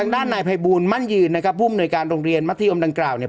ด้านนายภัยบูลมั่นยืนนะครับผู้มนุยการโรงเรียนมัธยมดังกล่าวเนี่ย